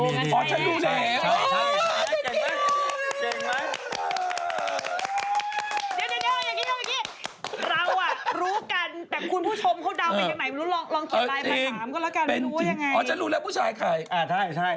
เดี๋ยวเรารู้กันแต่คุณผู้ชมเขาเดาเป็นไงลองเขียนไลน์ประถามก็แล้วกัน